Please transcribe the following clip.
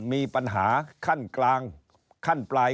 มีปัญหาขั้นกลางขั้นปลาย